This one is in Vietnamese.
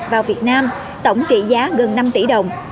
vào việt nam tổng trị giá gần năm tỷ đồng